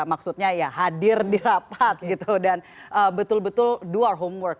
maksudnya ya hadir dirapat gitu dan betul betul do our homework